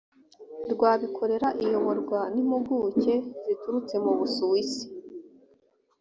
rw abikorera iyoborwa n impuguke ziturutse mu busuwisi